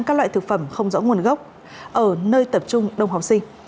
các loại thực phẩm không rõ nguồn gốc ở nơi tập trung đông học sinh